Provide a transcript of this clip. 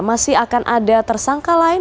masih akan ada tersangka lain